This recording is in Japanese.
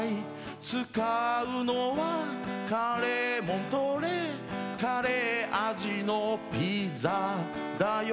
使うのはカレーモントレーカレー味のピザだよ